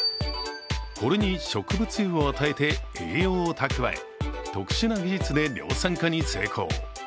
これに植物油を与えて栄養を蓄え、特殊な技術で量産化に成功。